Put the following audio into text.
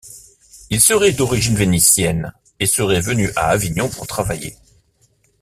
Il serait d'origine vénitienne et serait venu à Avignon pour travailler.